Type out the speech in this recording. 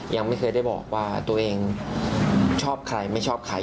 ยังไม่เคยได้บอกว่าตัวเองชอบใครไม่ชอบใคร